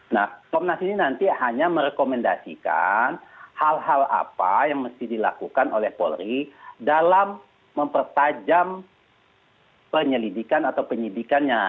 nah komnas ini nanti hanya merekomendasikan hal hal apa yang mesti dilakukan oleh polri dalam mempertajam penyelidikan atau penyidikannya